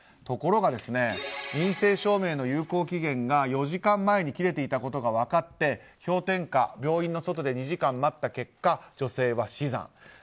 ところが陰性証明の有効期限が４時間前に切れていたことが判明して氷点下の中、病院の外で２時間待った結果、女性は死産。